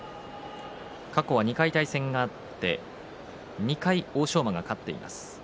過去は２回対戦があって２回、欧勝馬が勝っています。